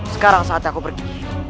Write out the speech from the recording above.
sekarang saat aku pergi